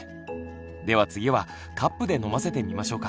では次はカップで飲ませてみましょうか。